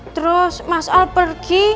terus mas al pergi